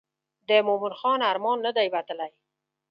د مومن خان ارمان نه دی وتلی.